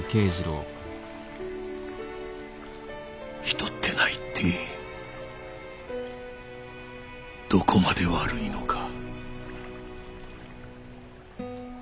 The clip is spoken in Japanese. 人ってのは一体どこまで悪いのか。